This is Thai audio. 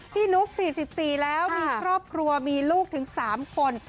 นุ๊ก๔๔แล้วมีครอบครัวมีลูกถึง๓คน